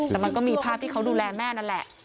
แต่มันก็มีภาพที่เขาดูแลแม่นั่นแหละ